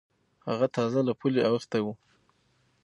هغه تازه له پولې اوختی و.